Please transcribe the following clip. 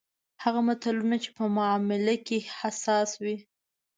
هغه ملتونه چې په معامله کې حساس وي.